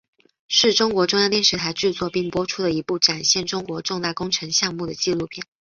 是中国中央电视台制作并播出的一部展现中国重大工程项目的纪录片。